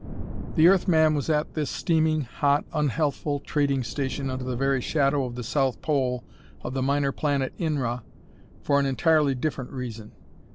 The Earth man was at this steaming hot, unhealthful trading station under the very shadow of the South Pole of the minor planet Inra for an entirely different reason.